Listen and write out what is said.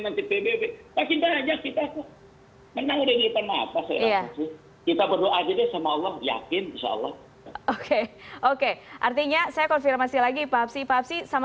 hai kita saja kita kita berdoa aja deh sama allah yakin ok ok artinya saya konfirmasi lagi papsi papsi